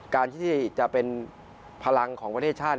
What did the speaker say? การที่จะเป็นพลังของประเทศชาติ